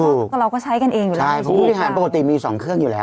เราก็ใช้กันเองอยู่แล้วใช่เพราะผู้บริหารปกติมีสองเครื่องอยู่แล้ว